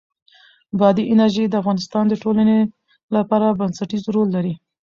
بادي انرژي د افغانستان د ټولنې لپاره بنسټيز رول لري.